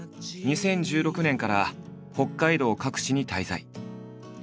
２０１６年から北海道各地に滞在。